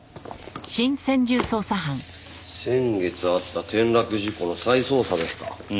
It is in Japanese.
先月あった転落事故の再捜査ですか。